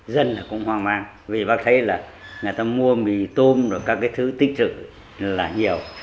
dân cũng hoang mang vì bác thấy là người ta mua mì tôm và các thứ tích chữ là nhiều